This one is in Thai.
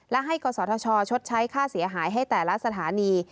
และให้กศธชชดใช้ค่าเสียหายให้แต่ละสถานี